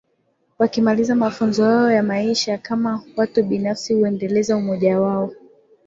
wakimaliza mafunzo yao ya maisha kama watu binafsi huendeleza umoja wao